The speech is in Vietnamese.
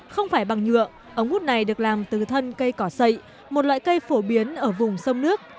không phải bằng nhựa ống hút này được làm từ thân cây cỏ sậy một loại cây phổ biến ở vùng sông nước